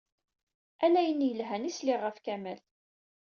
Ala ayen yelhan i sliɣ ɣef Kamal.